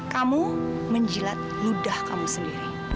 kamu menjilat ludah kamu sendiri